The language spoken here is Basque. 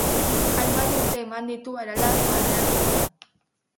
Hainbat urte eman ditu Aralar alderdian.